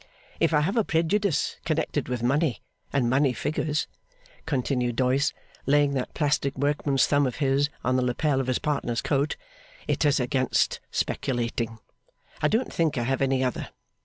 If I have a prejudice connected with money and money figures,' continued Doyce, laying that plastic workman's thumb of his on the lapel of his partner's coat, 'it is against speculating. I don't think I have any other.